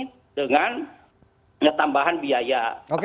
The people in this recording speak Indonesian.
kita carikan solusi yang terbaik